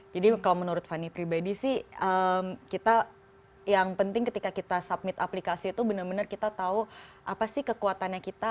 jadi kalau menurut fanny pribadi sih kita yang penting ketika kita submit aplikasi itu benar benar kita tahu apa sih kekuatannya kita